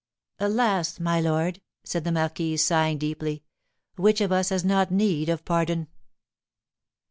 "Alas! my lord," said the marquise, sighing deeply, "which of us has not need of pardon?"